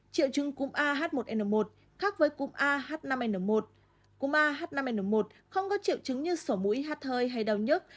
triệu chứng cúm a h một n một khác với cúm a h năm n một cúm a h năm n một không có triệu chứng như sổ mũi hát thơi hay đau nhức